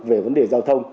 về vấn đề giao thông